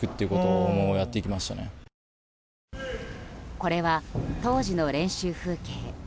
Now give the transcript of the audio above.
これは当時の練習風景。